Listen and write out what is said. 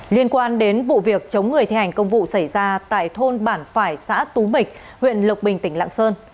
liên quan đến vụ việc chống người thi hành công vụ xảy ra tại thôn bản phải xã tú mịch huyện lộc bình tỉnh lạng sơn